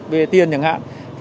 về tiền chẳng hạn